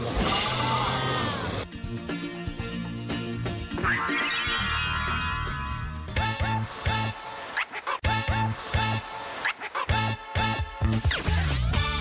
โปรดติดตามตอนต่อไป